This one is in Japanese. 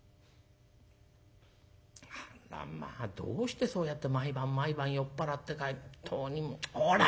あらまあどうしてそうやって毎晩毎晩酔っ払って帰って本当にもうこら！